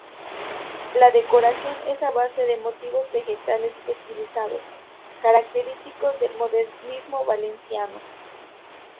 La decoración es a base de motivos vegetales estilizados, característicos del modernismo valenciano.